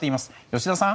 吉田さん！